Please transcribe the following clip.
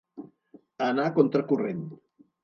Anar contra corrent.